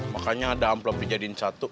makanya ada amplop dijadiin satu